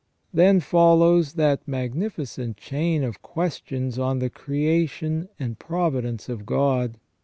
Then follows that magni ficent chain of questions on the creation and providence of God.